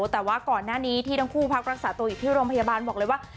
แต่ว่าก่อนหน้านี้ที่ทั้งคู่พักรักษาตัวอยู่ที่โรงพยาบาลบอกเลยว่า